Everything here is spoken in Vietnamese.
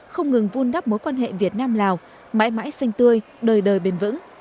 không ngừng vun đắp mối quan hệ việt nam lào mãi mãi xanh tươi đời đời bền vững